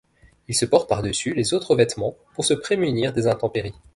Il se porte par-dessus les autres vêtements pour se prémunir des intempéries.